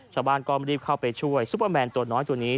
ชาวบ้านก็รีบเข้าไปช่วยซุปเปอร์แมนตัวน้อยตัวนี้